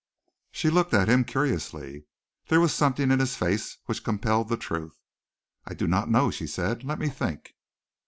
She looked at him curiously. There was something in his face which compelled the truth. "I do not know," she said. "Let me think."